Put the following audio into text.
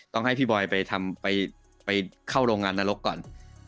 ต้องให้พี่บอยไปเข้าโรงงานนรกก่อน